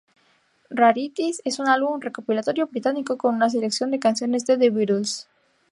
Rarities es un álbum recopilatorio británico con una selección de canciones de The Beatles.